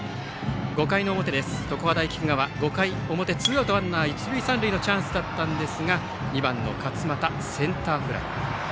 ５回の表、常葉大菊川ツーアウトランナー、一塁三塁のチャンスだったんですが２番の勝亦、センターフライ。